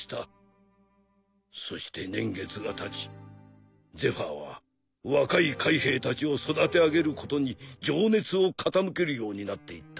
そして年月がたちゼファーは若い海兵たちを育て上げることに情熱を傾けるようになっていったんじゃ。